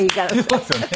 そうですよね。